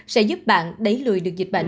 sẽ giúp bạn đẩy lùi được dịch bệnh